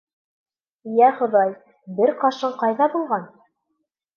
Йә Хоҙай, бер ҡашың ҡайҙа булған?